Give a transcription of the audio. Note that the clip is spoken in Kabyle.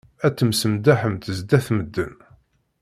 Ad temsenḍaḥemt zdat medden.